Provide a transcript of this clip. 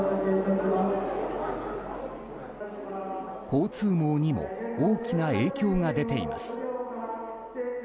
交通網にも大きな影響が出ています。